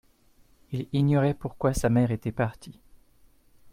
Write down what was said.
Il ignorait pourquoi sa mère était partie.